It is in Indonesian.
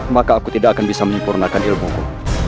maka aku tidak akan bisa menyempurnakan ilmuku